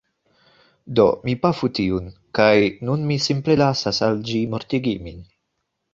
Do mi pafu tiun, kaj nun mi simple lasas al ĝi mortigi min.